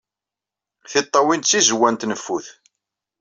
Tiṭṭawin d tizewwa n tneffut.